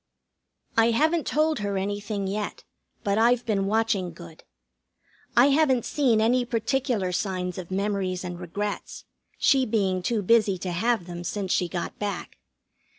I haven't told her anything yet, but I've been watching good. I haven't seen any particular signs of memories and regrets, she being too busy to have them since she got back.